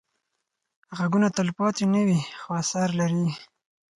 غږونه تلپاتې نه وي، خو اثر لري